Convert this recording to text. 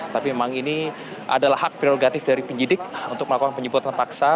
tapi memang ini adalah hak prerogatif dari penyidik untuk melakukan penyebutan paksa